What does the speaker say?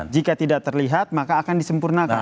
jika tidak terlihat maka akan disempurnakan